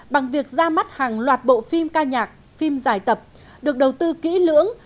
bằng việc ra mắt hàng loạt bộ phim ca nhạc phim dài tập được đầu tư kỹ lưỡng